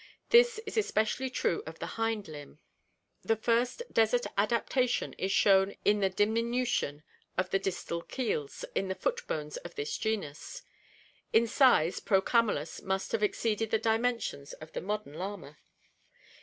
This is especially true of the hind limb. The first desert adaptation is shown in the diminution of the distal keels in the foot bones in this genus. In size Proeatndus must have exceeded the dimensions of the modern llama.